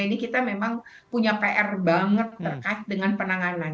ini kita memang punya pr banget terkait dengan penanganan